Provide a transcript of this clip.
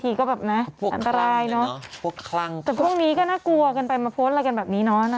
พวกครั้งเนี่ยนะพวกครั้งเนอะแต่พวกนี้ก็น่ากลัวกันไปมาโพสต์เรากันแบบนี้เนอะ